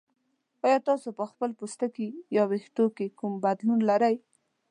ایا تاسو په خپل پوستکي یا ویښتو کې کوم بدلون لرئ؟